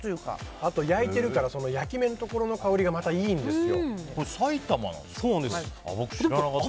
あと焼いてるから焼き目のところの香りが埼玉なんですか。